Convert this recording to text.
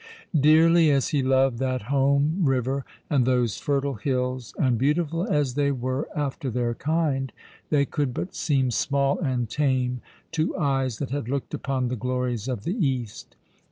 Dearly as he loved that home river, and those fertile hills, and beautiful as they were after their kind, they could but seem small and tame to eyes that had looked upon the glories of the East.